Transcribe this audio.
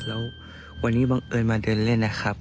แล้ววันนี้บังเอิญมาเดินเล่นนะครับ